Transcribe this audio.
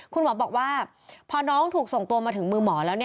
คุณหมอบอกว่าพอน้องถูกส่งตัวมาถึงมือหมอแล้ว